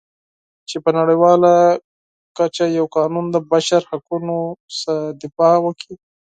چې په نړیواله کچه یو قانون د بشرحقوقو څخه دفاع وکړي.